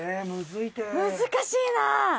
難しいなあ！